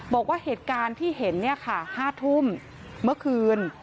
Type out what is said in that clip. บอกว่าเหตุการณ์ที่เห็น๕ทุ่มเมื่อคืน